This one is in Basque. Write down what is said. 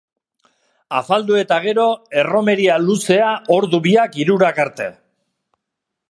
Afaldu eta gero, erromeria luzea ordu biak-hirurak arte.